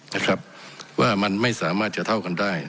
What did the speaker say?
นะครับว่ามันไม่สามารถจะเท่ากันได้